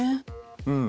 うん。